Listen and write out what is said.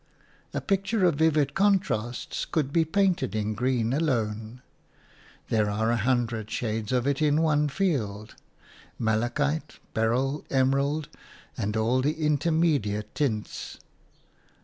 A picture of vivid contrasts could be painted in green alone; there are a hundred shades of it in one field – malachite, beryl, emerald, and all the intermediate tints.